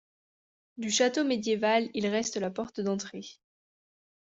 Du château médiéval, il reste la porte d'entrée.